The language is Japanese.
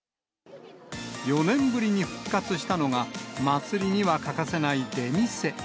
４年ぶりに復活したのが、祭りには欠かせない出店。